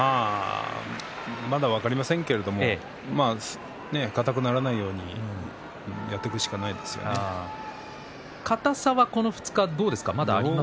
まだ分かりませんけれども硬くならないように硬さは、この２日はどうですかね。